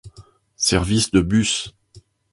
Service de bus.